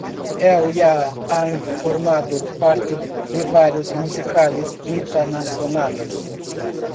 Él ya ha formado parte de varios musicales internacionales.